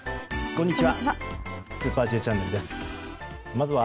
こんにちは。